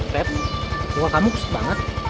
pep muka kamu kesut banget